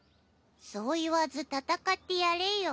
そう言わず戦ってやれよ。